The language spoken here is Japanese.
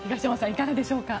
いかがでしょうか。